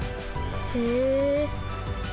へえ。